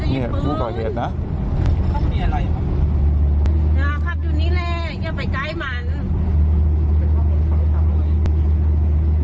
มีอะไรอยู่นะครับดูนี่แหละอย่าไปใกล้มัน